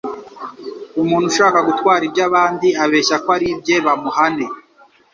umuntu ushaka gutwara iby'abandi abeshya ko ari ibye bamuhane